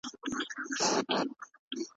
د قصاص حکم تطبیق کیږي.